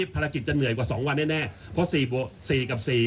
ภารกิจจะเหนื่อยกว่า๒วันแน่เพราะ๔กับ๔